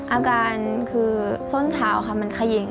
อาการคือส้นเท้าค่ะมันเขย่ง